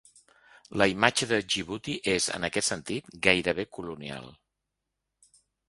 La imatge de Djibouti és, en aquest sentit, gairebé colonial.